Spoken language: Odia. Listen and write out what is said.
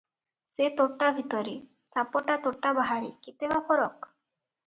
ସେ ତୋଟା ଭିତରେ' ସାପଟା ତୋଟା ବାହାରେ- କେତେ ବା ଫରକ ।